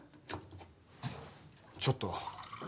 ちょっと。